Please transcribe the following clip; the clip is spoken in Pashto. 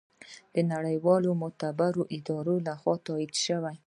د نړیوالو معتبرو ادارو لخوا تائید شي